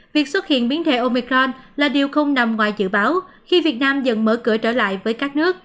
việc xuất hiện biến thể omicron là điều không nằm ngoài dự báo khi việt nam dần mở cửa trở lại với các nước